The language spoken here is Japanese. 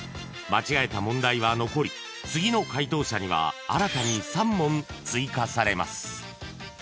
［間違えた問題は残り次の解答者には新たに３問追加されます］